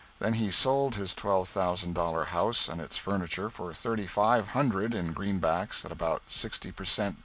Then he sold his twelve thousand dollar house and its furniture for thirty five hundred in greenbacks at about sixty per cent.